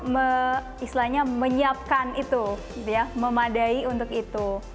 bisa menyiapkan itu memadai untuk itu